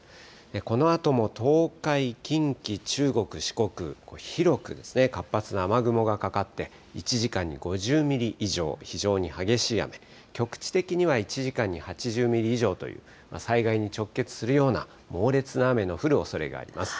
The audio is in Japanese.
このあとも東海、近畿、中国、四国、広く活発な雨雲がかかって、１時間に５０ミリ以上、非常に激しい雨、局地的には１時間に８０ミリ以上という、災害に直結するような猛烈な雨の降るおそれがあります。